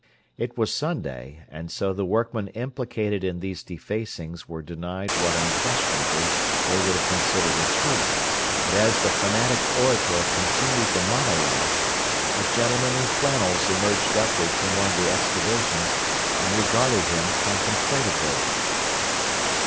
It was Sunday, and so the workmen implicated in these defacings were denied what unquestionably they would have considered a treat; but as the fanatic orator continued the monologue, a gentleman in flannels emerged upward from one of the excavations, and regarded him contemplatively.